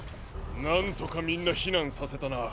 なんとかみんなひなんさせたな。